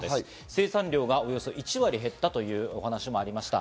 生産量は１割減ったというお話もありました。